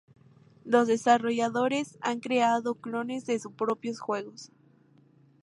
Los desarrolladores han creado "clones" de sus propios juegos.